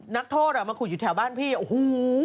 นักโทษอ่ะมาขุดอยู่แถวบ้านพี่โอ้โห